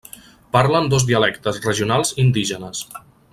Parlen dos dialectes regionals indígenes.